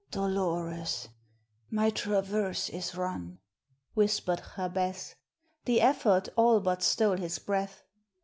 "Dolores, my traverse is run," whispered Jabez. The effort all but stole his breath.